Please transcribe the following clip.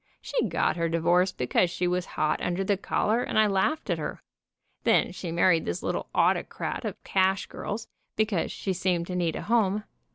She got her divorce because she was hot under the collar, and I laughed at her. Then she married this little autocrat of cash girls, because she seemed to need a home.